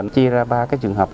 chia ra ba trường hợp